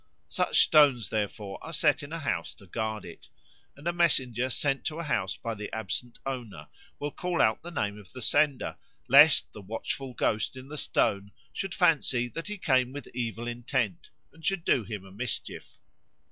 Such stones, therefore, are set in a house to guard it; and a messenger sent to a house by the absent owner will call out the name of the sender, lest the watchful ghost in the stone should fancy that he came with evil intent and should do him a mischief.